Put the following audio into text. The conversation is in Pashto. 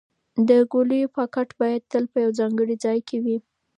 د ګولیو پاکټ باید تل په یو ځانګړي ځای کې وي.